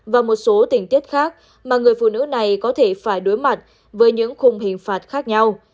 và một số tình tiết khác mà người phụ nữ này có thể phải đối mặt với những khung hình phạt khác nhau